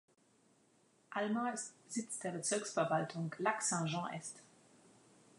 Alma ist Sitz der Bezirksverwaltung Lac-Saint-Jean-Est.